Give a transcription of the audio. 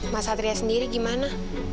mas satria sendiri gimana